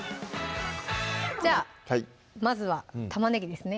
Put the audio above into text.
じゃあまずは玉ねぎですね